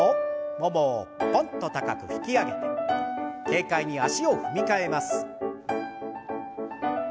ももをポンと高く引き上げて軽快に足を踏み替えます。